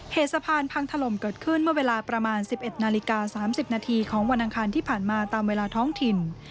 สะพานพังถล่มเกิดขึ้นเมื่อเวลาประมาณ๑๑นาฬิกา๓๐นาทีของวันอังคารที่ผ่านมาตามเวลาท้องถิ่น